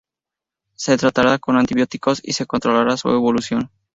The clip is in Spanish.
Se tratará con antibióticos y se controlará su evolución.